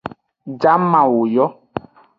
Jamawo yo.